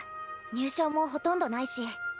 入賞もほとんどないし。